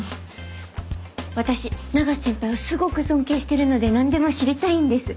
私永瀬先輩をすごく尊敬してるので何でも知りたいんです。